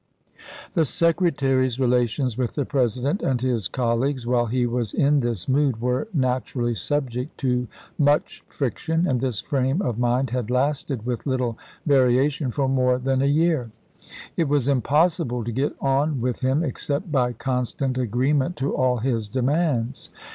The Secretary's relations with the President and his colleagues while he was in this mood were naturally subject to much friction, and this frame of mind had lasted with little variation for more than a year. It was impossible to get on with him except by constant agreement to all his demands.